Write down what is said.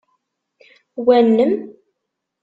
Wa nnem?